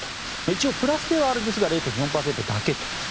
一応、プラスではあるんですが０．４％だけと。